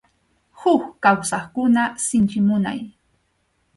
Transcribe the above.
Huk kawsaqkuna sinchi munay.